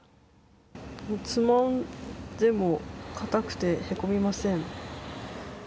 つまんでも、硬くてへこみません。